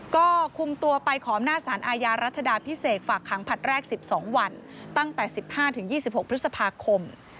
ก็คุมตัวไปขออำนาจสารอาญารัชดาพิเศษฝากขังผลัดแรก๑๒วันตั้งแต่๑๕๒๖พฤษภาคม